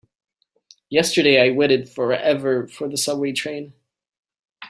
Yesterday I waited forever for the subway train.